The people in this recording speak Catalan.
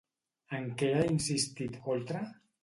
En què ha insistit Oltra?